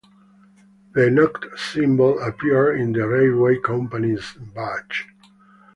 The knot symbol appeared in the railway company's badge.